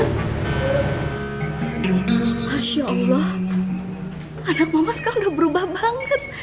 masya allah anak mama sekarang udah berubah banget